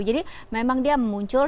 jadi memang dia muncul